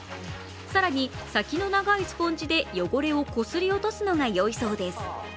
更に先の長いスポンジで汚れをこすり落とすのがよいそうです。